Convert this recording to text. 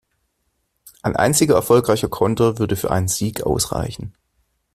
Ein einziger erfolgreicher Konter würde für einen Sieg ausreichen.